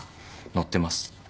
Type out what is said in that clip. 載ってます。